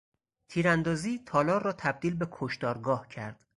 تیراندازی تالار را تبدیل به کشتارگاه کرد.